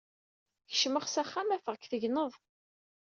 Kecmeɣ s axxam, afeɣ-k tegneḍ.